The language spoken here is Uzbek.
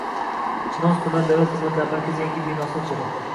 Chinoz tuman Davlat xizmatlari markazi yangi binosi ochildi